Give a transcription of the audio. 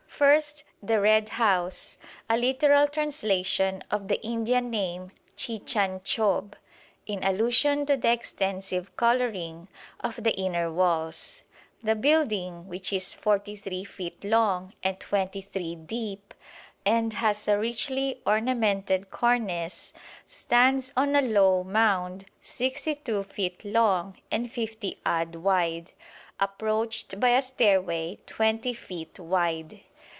First the "Red House," a literal translation of the Indian name Chichanchob, in allusion to the extensive colouring of the inner walls. The building, which is 43 feet long and 23 deep and has a richly ornamented cornice, stands on a low mound 62 feet long and 50 odd wide, approached by a stairway 20 feet wide.